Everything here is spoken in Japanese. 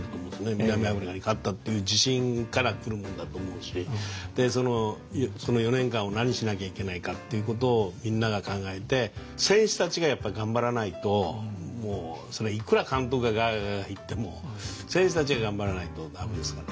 南アフリカに勝ったっていう自信から来るものだと思うしその４年間を何しなきゃいけないかっていうことをみんなが考えて選手たちがやっぱり頑張らないといくら監督がガーガーガーガー言っても選手たちが頑張らないと駄目ですから。